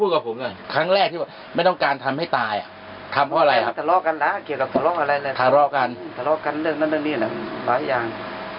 ก็ข้อมูลก็จะหลากหลายกันไปนะครับเผริญทิศตรงกันคือคนร้ายมีวิชาอาคม